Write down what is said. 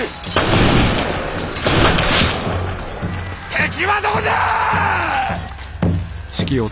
敵はどこじゃ！